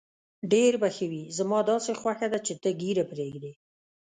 ډېر به ښه وي، زما داسې خوښه ده چې ته ږیره پرېږدې.